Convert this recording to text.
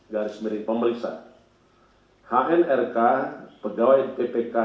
garis miri pemeriksa hnrk pegawai bpk